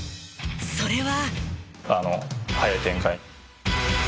それは。